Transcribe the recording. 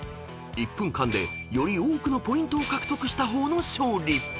［１分間でより多くのポイントを獲得した方の勝利］